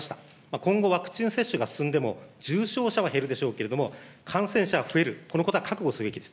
今後ワクチン接種が進んでも、重症者は減るでしょうけれども、感染者は増える、このことは覚悟すべきです。